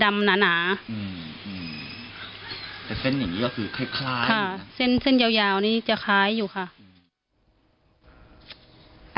แต่เส้นอย่างนี้คือคล้ายค่ะเส้นยาวนี้จะคล้ายอยู่ค่ะ